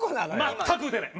全く打てない。